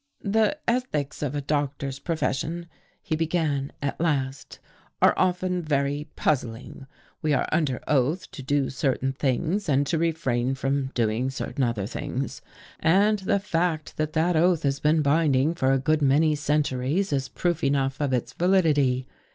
" The ethics of a doctor's profession," he began at last, " are often very puzzling. We are under oath to do certain things and to refrain from doing certain other things. And the fact that that oath has been binding for a good many centuries is proof enough of its validity.